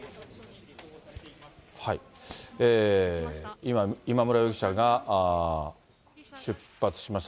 今、今村容疑者が出発しました。